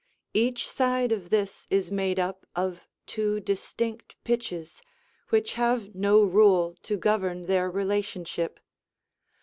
Each side of this is made up of two distinct pitches, which have no rule to govern their relationship.